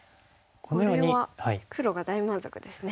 これは黒が大満足ですね。